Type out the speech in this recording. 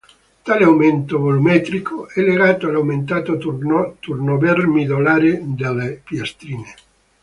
Tale aumento volumetrico è legato all'aumentato turnover midollare delle piastrine.